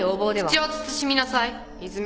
口を慎みなさい泉。